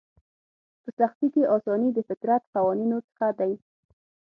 په سختي کې اساني د فطرت قوانینو څخه دی.